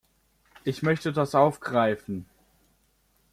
Ich möchte das aufgreifen.